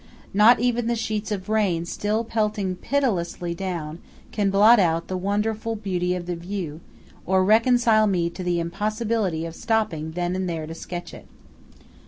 Not even the sheets of rain still pelting pitilessly down, can blot out the wonderful beauty of the view, or reconcile me to the impossibility of stopping then and there to sketch it.